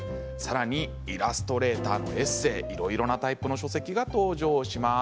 さらにイラストレーターのエッセーなどいろいろなタイプの書籍が登場します。